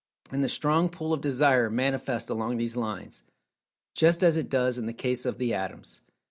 And the strong "pull" of Desire manifests along these lines, just as it does in the case of the Atoms.